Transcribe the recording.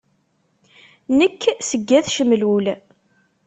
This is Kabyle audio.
Nek seg At Cemlul.